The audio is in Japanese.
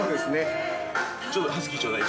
◆ちょっとハスキー、ちょうだい。